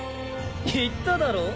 言っただろう？